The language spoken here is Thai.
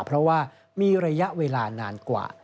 เพราะว่ามีระยะเวลานานกว่า